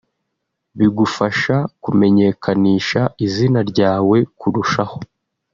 bigufasha kumenyekanisha izina ryawe kurushaho